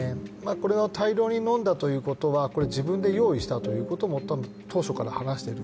これを大量に飲んだということは、自分で用意したということも当初から話している。